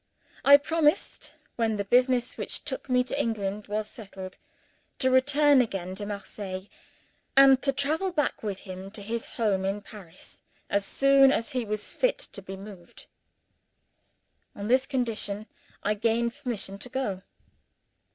I promised, when the business which took me to England was settled, to return again to Marseilles, and to travel back with him to his home in Paris, as soon as he was fit to be moved. On this condition, I gained permission to go.